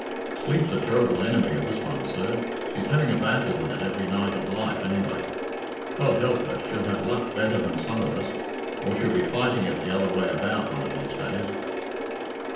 "Sleep's a terrible enemy of this one, sir. She's having a battle with it every night of life, anyway. God help her, she'll have luck better than some of us, or she'll be fighting it the other way about one of these days."